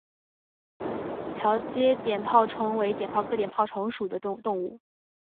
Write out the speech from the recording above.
桥街碘泡虫为碘泡科碘泡虫属的动物。